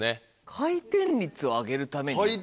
回転率を上げるために？